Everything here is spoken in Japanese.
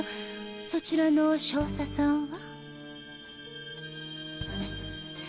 そちらの少佐さんは。